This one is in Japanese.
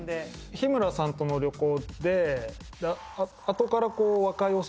日村さんとの旅行で。